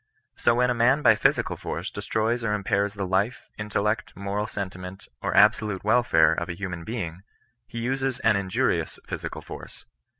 So when a man by phy sical force destroys or impairs the life, intellect, moral sentiment, or absolute welfare of a human being, he uses an injurious physical force.